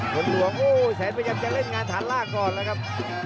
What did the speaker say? หลวงแซนพยายามจะเล่นงานทานล่าก่อนเลยครับ